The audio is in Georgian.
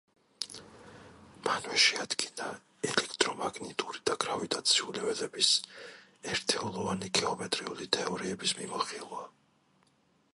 მანვე შეადგინა ელექტრომაგნიტური და გრავიტაციული ველების ერთეულოვანი გეომეტრიული თეორიების მიმოხილვა.